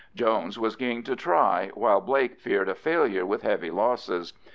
Jones was keen to try, while Blake feared a failure with heavy losses.